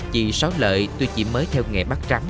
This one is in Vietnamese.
chị sáu lợi tuy chỉ mới theo nghề bắt rắn